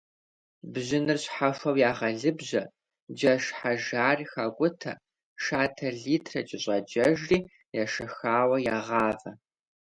Бжьыныр щхьэхуэу ягъэлыбжьэ, джэш хьэжар хакӀутэ, шатэ литрэ кӀэщӀакӀэжри ешэхауэ ягъавэ.